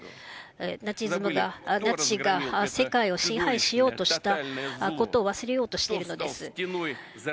ナチズムが、ナチが、世界を支配しようとしたことを忘れようとしているのです。